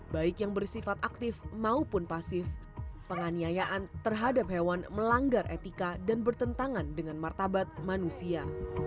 baik yang bersifat aktif maupun pasif penganiayaan terhadap hewan melanggar etika dan bertentangan dengan martabat manusia